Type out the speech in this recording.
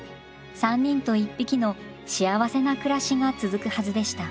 ３人と１匹の幸せな暮らしが続くはずでした。